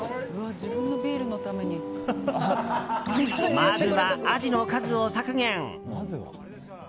まずはアジの数を削減。